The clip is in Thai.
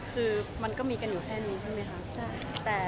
คือมันก็มีกันอยู่แค่นี้ใช่ไหมคะ